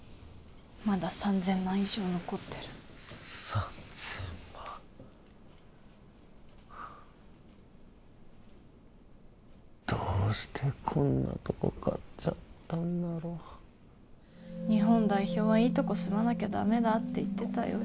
まだ３０００万以上残ってる３０００万どうしてこんなとこ買っちゃったんだろ日本代表はいいとこ住まなきゃダメだって言ってたよ